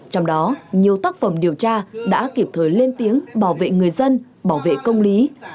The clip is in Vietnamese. trong đó nhiều tác phẩm điều tra đã kịp thời lên tiếng bảo vệ người dân bảo vệ công lý